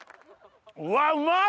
うわうまい！